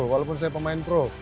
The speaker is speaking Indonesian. walaupun saya pemain pro